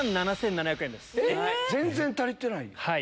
全然足りてない。